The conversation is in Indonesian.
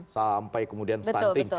sampai kemudian stunting